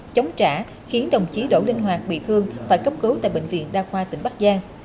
chống trả khiến đồng chí đỗ linh hoạt bị thương phải cấp cứu tại bệnh viện đa khoa tỉnh bắc giang